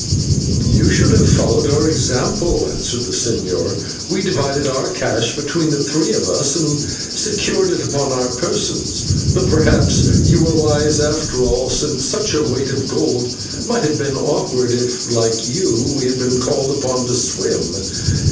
"You should have followed our example," answered the señor; "we divided our cash between the three of us and secured it upon our persons, though perhaps you were wise after all, since such a weight of gold might have been awkward if, like you, we had been called upon to swim.